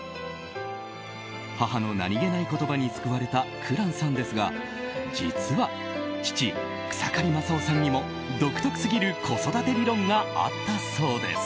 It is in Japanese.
母の何気ない言葉に救われた紅蘭さんですが実は、父・草刈正雄さんにも独特すぎる子育て理論があったそうです。